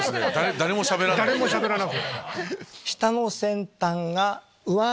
誰もしゃべらなくなった。